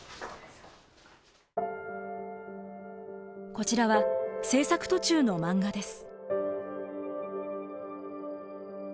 こちらは制作途中のマンガです。